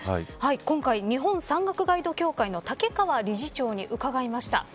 今回、日本山岳ガイド協会の武川理事長に伺いました。